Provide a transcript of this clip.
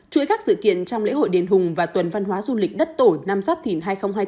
chuỗi các sự kiện trong lễ hội đền hùng và tuần văn hóa du lịch đất tổ năm giáp thìn hai nghìn hai mươi bốn